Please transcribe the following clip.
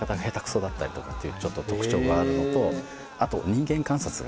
ちょっと特徴があるのとあと。